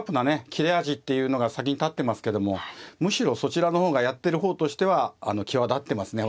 切れ味っていうのが先に立ってますけどもむしろそちらの方がやってる方としては際立ってますね。